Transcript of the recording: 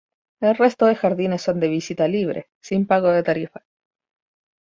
El resto de jardines son de visita libre sin pago de tarifa.